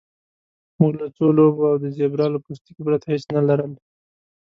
موږ له څو لوبو او د زیبرا له پوستکي پرته هیڅ نه لرل